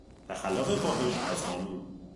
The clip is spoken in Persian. تخلف فاحش از قانون